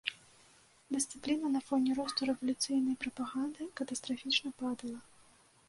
Дысцыпліна на фоне росту рэвалюцыйнай прапаганды катастрафічна падала.